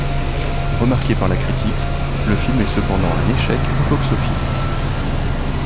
Remarqué par la critique, le film est cependant un échec au box-office.